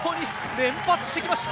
連発してきました。